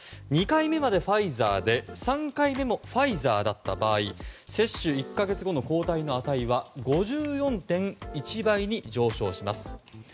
２回目までファイザーで３回目もファイザーだった場合接種１か月後の抗体の値は５４．１倍に上昇します。